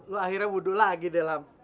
lu akhirnya wudhu lagi deh lam